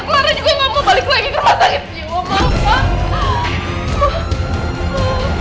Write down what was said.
clara juga gak mau balik lagi ke rumah sakit jiwa ma